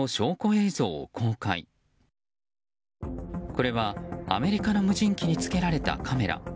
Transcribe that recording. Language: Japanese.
これは、アメリカの無人機につけられたカメラ。